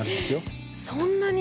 えそんなに。